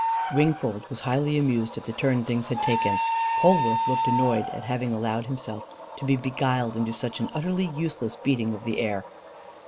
Wingfold was highly amused at the turn things had taken. Polwarth looked annoyed at having allowed himself to be beguiled into such an utterly useless beating of the air.